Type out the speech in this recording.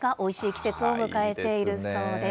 季節を迎えているそうです。